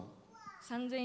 ３０００円。